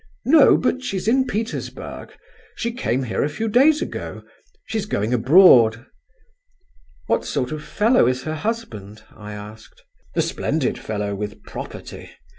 "No: but she's in Petersburg. She came here a few days ago. She's going abroad." "What sort of fellow is her husband?" I asked. "A splendid fellow, with property.